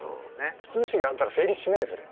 普通の人やったら成立しないですよね。